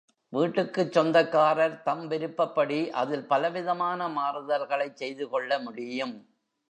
வீட்டுக்குச் சொந்தக்காரர் தம் விருப்பப்படி அதில் பலவிதமான மாறுதல்களைச் செய்து கொள்ள முடியும்.